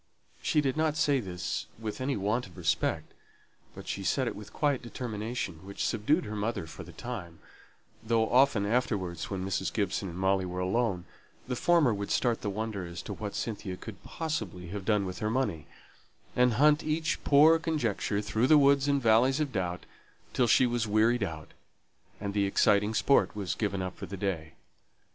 She did not say this with any want of respect; but she said it with quiet determination, which subdued her mother for the time; though often afterwards, when Mrs. Gibson and Molly were alone, the former would start the wonder as to what Cynthia could possibly have done with her money, and hunt each poor conjecture through woods and valleys of doubt, till she was wearied out; and the exciting sport was given up for the day.